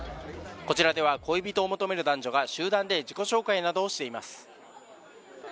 こちらでは、恋人を求める男女が、集団で自己紹介などをしています。